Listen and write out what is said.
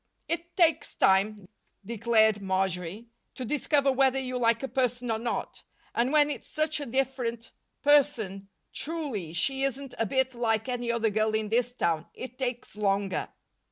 "It takes time," declared Marjory, "to discover whether you like a person or not. And when it's such a different person truly, she isn't a bit like any other girl in this town it takes longer."